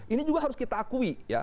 ini juga harus kita akui